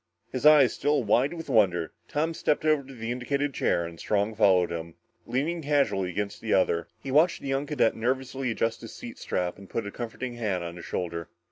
His eyes still wide with wonder, Tom stepped over to the indicated chair and Strong followed him, leaning casually against the other. He watched the young cadet nervously adjust his seat strap and put a comforting hand on his shoulder.